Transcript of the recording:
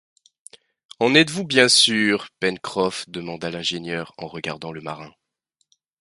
En êtes-vous bien sûr, Pencroff demanda l’ingénieur, en regardant le marin.